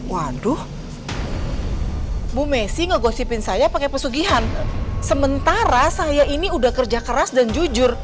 waduh bu messi ngegosipin saya pakai pesugihan sementara saya ini udah kerja keras dan jujur